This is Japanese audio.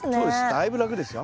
だいぶ楽ですよ。